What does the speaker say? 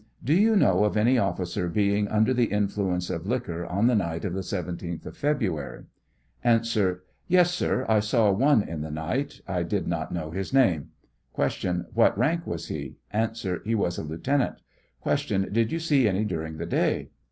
Do you know of any officer being under the influ ence of liquor on the night of the 17th of February ?] 63 A, Yes, sir, I saw one in the night ; 1 did not know his name. Q. What rank was he? A. He was a Lieutenant. Q. Did you see any during the day